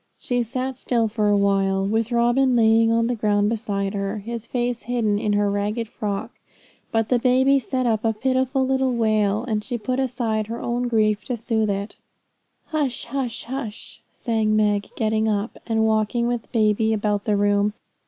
She sat still for a while, with Robin lying on the ground beside her, his face hidden in her ragged frock; but the baby set up a pitiful little wail, and she put aside her own grief to soothe it. 'Hush! hush!' sang Meg, getting up, and walking with baby about the room.